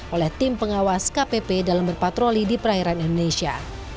oleh tim pengawas kpp dalam berpatroli di perairan indonesia